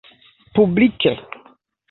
publike